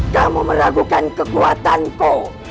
kamu meragukan kekuatanku